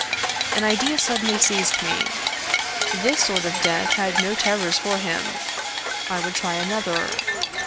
An idea suddenly seized me. This sort of death had no terrors for him. I would try another.